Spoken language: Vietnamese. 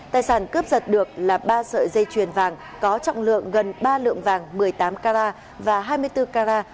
tài sản cướp giật được là ba sợi dây chuyền vàng có trọng lượng gần ba lượng vàng một mươi tám carat và hai mươi bốn carat